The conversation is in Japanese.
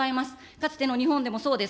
かつての日本でもそうです。